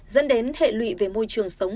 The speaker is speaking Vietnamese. dẫn đến hệ lụy về môi trường sống